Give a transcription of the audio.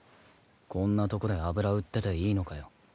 こんなとこで油売ってていいのかよ？